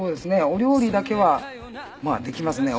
お料理だけはできますね。